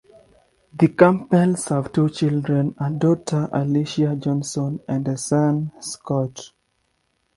The Campbells have two children: a daughter, Alicia Johnson, and a son, Scott.